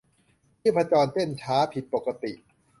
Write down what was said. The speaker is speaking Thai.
ชีพจรเต้นช้าผิดปกติ